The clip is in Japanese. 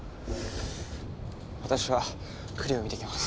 私は庫裏を見てきます。